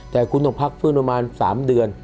แต่คุณต้องพักฟื้นประมาณ๓เดือน